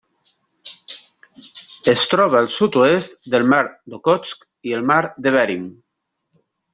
Es troba al sud-oest del mar d'Okhotsk i el mar de Bering.